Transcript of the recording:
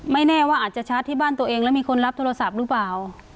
แน่ว่าอาจจะชาร์จที่บ้านตัวเองแล้วมีคนรับโทรศัพท์หรือเปล่า